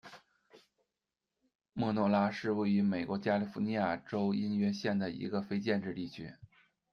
莫诺拉是位于美国加利福尼亚州因约县的一个非建制地区。